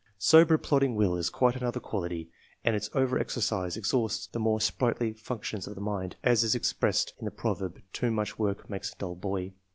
Sober, plodding will is quite another quality, and its over exercise exhausts the more sprightly func tions of the mind, as is expressed in the proverb, "too much work makes a dull boy."